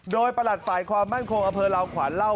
โดยประหลัดฝ่ายความมั่นคงอำเภอลาวขวานเล่า